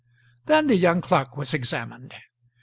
Then the young clerk was examined.